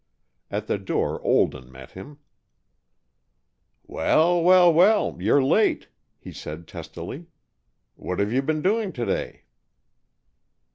At the door Olden met him. "Well, well, well, you're late," he said testily. "What have you been doing to day?"